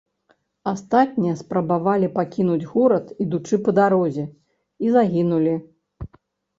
Астатнія спрабавалі пакінуць горад, ідучы па дарозе, і загінулі.